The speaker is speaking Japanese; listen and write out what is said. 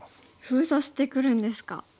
封鎖してくるんですか。